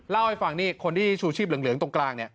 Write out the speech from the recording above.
เล่าให้ฟังนี่คนที่ชูชีพเหลืองตรงกลางเนี่ย